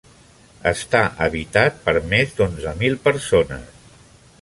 Està habitat per més d'onze mil persones.